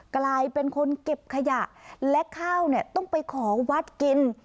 กลายเป็นคนเก็บขยะและข้าวเนี่ยต้องไปขอวัดกิน